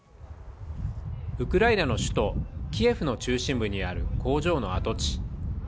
ウクライナの首都・キエフの中心部にある工場の跡地。